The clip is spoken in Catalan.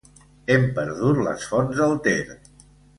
Hem perdut les fonts del Ter.